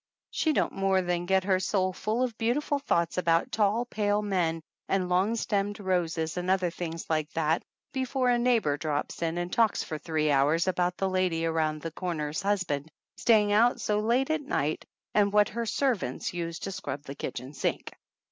She don't more than get her soul full of beautiful thoughts about tall, pale men and long stemmed roses and other things like that before a neighbor drops in and talks for three hours about the lady around the cor 184 THE ANNALS OF ANN ner's husband staying out so late at night and what her servants use to scrub the kitchen sink.